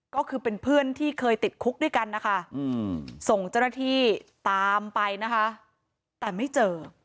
ก็คือเป็นเพื่อนที่เคยติดคุกด้วยกันนะคะส่งเจ้าหน้าที่ตามไปนะคะแต่ไม่เจอ